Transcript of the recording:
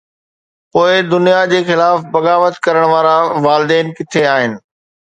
پوءِ دنيا جي خلاف بغاوت ڪرڻ وارا، والدين ڪٿي آهن؟